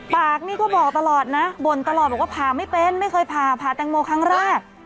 ปากนี่ก็บอกตลอดนะบ่นตลอดบอกว่าผ่าไม่เป็นไม่เคยผ่าผ่าแตงโมครั้งแรก